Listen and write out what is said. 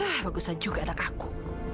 wah bagusan juga anak aku